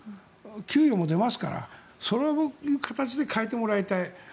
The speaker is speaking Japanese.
給料も出ますからそういう形で変えてもらいたい。